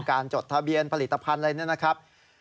การจดทะเบียนผลิตภัณฑ์อะไรแน่นั้นนะครับ